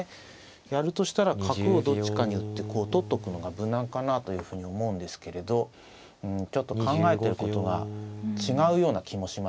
やるとしたら角をどっちかに打ってこう取っとくのが無難かなというふうに思うんですけれどうんちょっと考えてることが違うような気もしますね。